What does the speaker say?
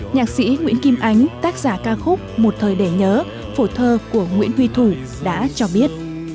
nhạc sĩ nguyễn kim ánh tác giả ca khúc một thời để nhớ phổ thơ của nguyễn huy thủ đã cho biết